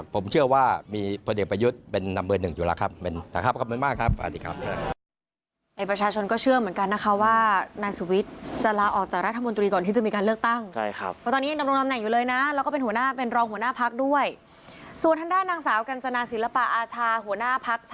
ผมเชื่อว่ามีพระเด็กประยุทธเป็นนำเบอร์หนึ่งอยู่แล้วครับ